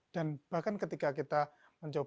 dan bahkan ketika kita mencoba darus